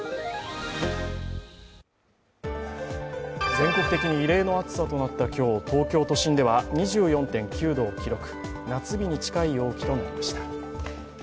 全国的に異例の暑さとなった今日、東京都心では２４．９度を記録、夏日に近い陽気となりました。